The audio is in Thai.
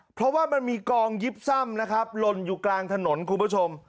เพราะว่ามันมีกองยิบซ่ำนะครับหล่นอยู่กลางถนนคุณผู้ชม